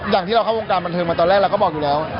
อย่างที่เราเข้าวงการบันเทิงมาตอนแรกเราก็บอกอยู่แล้ว